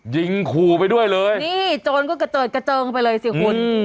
ยิงขู่ไปด้วยเลยนี่โจรก็กระเจิดกระเจิงไปเลยสิคุณ